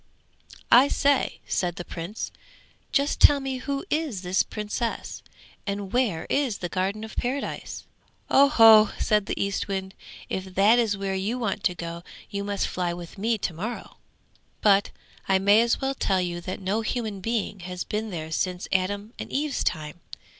'I say,' said the Prince, 'just tell me who is this Princess, and where is the Garden of Paradise?' 'Oh ho!' said the Eastwind, 'if that is where you want to go you must fly with me to morrow. But I may as well tell you that no human being has been there since Adam and Eve's time.